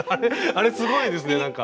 あれすごいですねなんか。